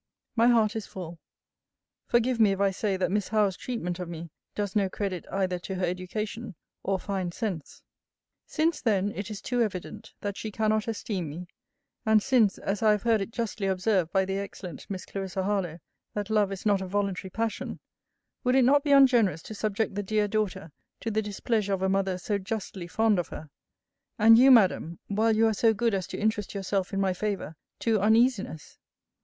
My heart is full: Forgive me, if I say, that Miss Howe's treatment of me does no credit either to her education, or fine sense. Since, then, it is too evident, that she cannot esteem me; and since, as I have heard it justly observed by the excellent Miss Clarissa Harlowe, that love is not a voluntary passion; would it not be ungenerous to subject the dear daughter to the displeasure of a mother so justly fond of her; and you, Madam, while you are so good as to interest yourself in my favour, to uneasiness?